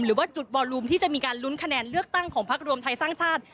หรือว่าจุดบอลลูมที่จะมีการลุ้นคะแนนเลือกตั้งของพักรวมไทยสร้างชาติ